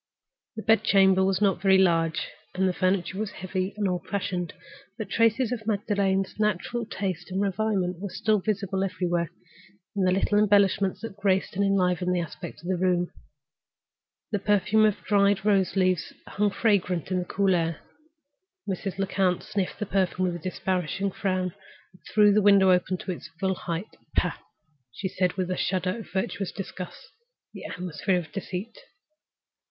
The bed chamber was not very large, and the furniture was heavy and old fashioned. But evidences of Magdalen's natural taste and refinement were visible everywhere, in the little embellishments that graced and enlivened the aspect of the room. The perfume of dried rose leaves hung fragrant on the cool air. Mrs. Lecount sniffed the perfume with a disparaging frown and threw the window up to its full height. "Pah!" she said, with a shudder of virtuous disgust, "the atmosphere of deceit!"